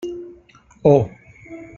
Oh.